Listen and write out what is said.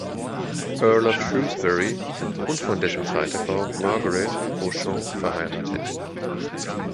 Earl of Shrewsbury, und von dessen zweiter Frau Margarete Beauchamp, verheiratet.